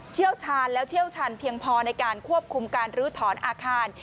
เชี่ยวชาญและเชี่ยวชันเพียงพอในการควบคุมการลื้อถอนอาคาร